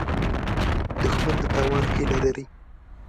دښمن د تاوان هیله لري